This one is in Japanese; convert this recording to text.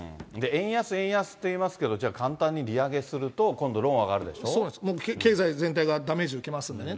円安、円安っていいますけど、じゃあ、簡単に利上げすると、今そうです、もう経済全体がダメージを受けますんでね。